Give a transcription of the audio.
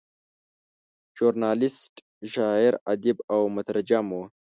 ژورنالیسټ، شاعر، ادیب او مترجم و.